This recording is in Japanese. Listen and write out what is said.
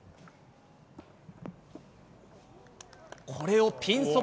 これをピンそば